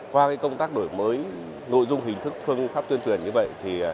qua công tác đổi mới nội dung hình thức thương pháp tuyên tuyển như vậy